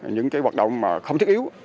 những hoạt động không thiết yếu